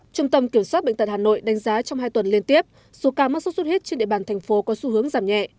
trung tâm kiểm soát bệnh tật hà nội đánh giá trong hai tuần liên tiếp số ca mắc sốt xuất huyết trên địa bàn thành phố có xu hướng giảm nhẹ